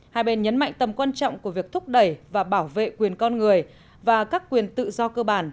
hai bên nhấn mạnh tầm quan trọng của việc thúc đẩy và bảo vệ quyền con người và các quyền tự do cơ bản